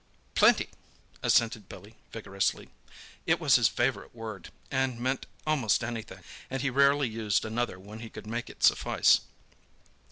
"Plenty!" assented Billy vigorously. It was his favourite word, and meant almost anything, and he rarely used another when he could make it suffice.